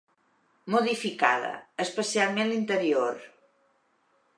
Modificada, especialment l'interior.